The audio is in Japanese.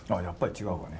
やっぱり違う。